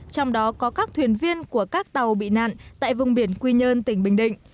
trong đó có các thuyền viên của các tàu bị nạn tại vùng biển quy nhơn tỉnh bình định